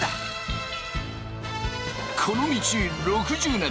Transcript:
この道６０年！